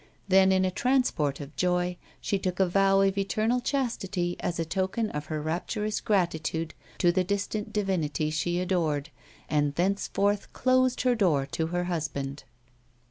Then, in a transport of joy, she took a vow of eternal chastity as a token of her rapturous gratitude to the distant divinity she adored, and thenceforth closed her door to her husband.